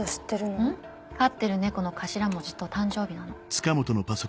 飼ってる猫の頭文字と誕生日なの。